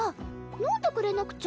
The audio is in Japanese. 飲んでくれなくちゃ。